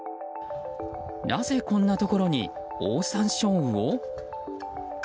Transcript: なぜ、こんなところにオオサンショウウオ？